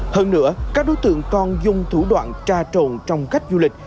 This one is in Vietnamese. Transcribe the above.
hơn nữa các đối tượng còn dùng thủ đoạn tra trộn trong cách du lịch